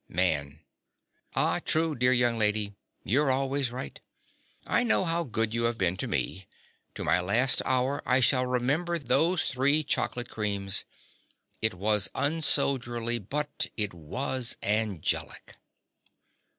MAN. Ah, true, dear young lady: you're always right. I know how good you have been to me: to my last hour I shall remember those three chocolate creams. It was unsoldierly; but it was angelic.